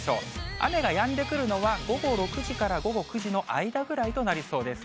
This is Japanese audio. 雨がやんでくるのは、午後６時から午後９時の間くらいとなりそうです。